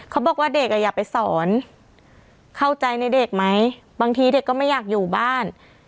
เขาบอกว่าเด็กอ่ะอยากไปสอนเข้าใจในเด็กไหมบางทีเด็กก็ไม่อยากอยู่บ้าน